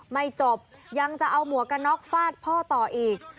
ไม่จบยังจะเอาหมวกกระน็อกฟาดพ่อต่ออีก